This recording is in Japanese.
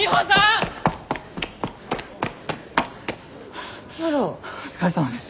はぁお疲れさまです。